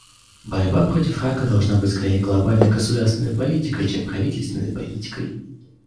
Борьба против рака должна быть скорее глобальной государственной политикой, чем правительственной политикой.